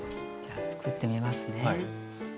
じゃあつくってみますね。